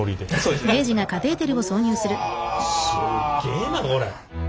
すっげえなこれ。